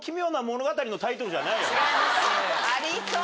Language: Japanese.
ありそう！